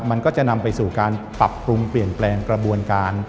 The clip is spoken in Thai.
มันก็จะนำไปสู่การปรับปรุงเปลี่ยนแปลงกระบวนการ